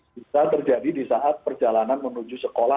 bisa terjadi di saat perjalanan menuju sekolah